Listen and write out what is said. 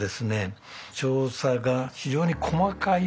調査が非常に細かいですよね。